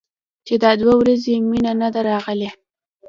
چې دا دوه ورځې مينه نه ده راغلې.